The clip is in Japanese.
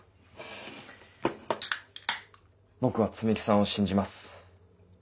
僕は摘木さんを信じます。